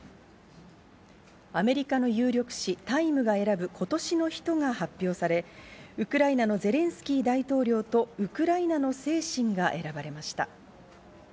アメリカの有力誌・タイムが選ぶ「今年の人」が発表され、ウクライナのゼレンスキー大統領とウクライナの精神が選ばれました。